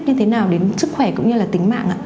như thế nào đến sức khỏe cũng như là tính mạng ạ